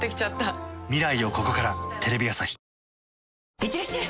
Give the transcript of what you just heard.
いってらっしゃい！